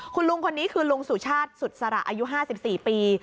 คุณลุงคนนี้คือลุงสุชาติสุดสระอายุ๕๔ปี